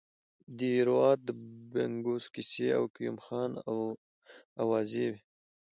د دیراوت د بنګو کیسې او قیوم خان اوازې وې.